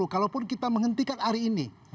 kalaupun kita menghentikan hari ini